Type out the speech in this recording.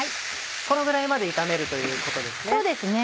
このぐらいまで炒めるということですね。